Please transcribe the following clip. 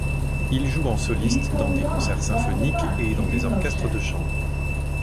Il joue en soliste dans des concerts symphoniques et dans des orchestres de chambre.